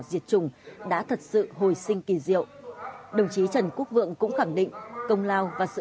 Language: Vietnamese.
diệt chủng đã thật sự hồi sinh kỳ diệu đồng chí trần quốc vượng cũng khẳng định công lao và sự